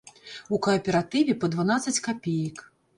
У кааператыве па дванаццаць капеек.